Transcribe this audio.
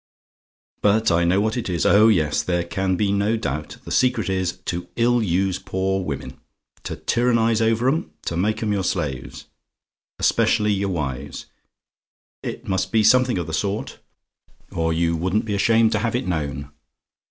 "But I know what it is; oh yes, there can be no doubt. The secret is, to ill use poor women; to tyrannise over 'em; to make 'em your slaves: especially your wives. It must be something of the sort, or you wouldn't be ashamed to have it known.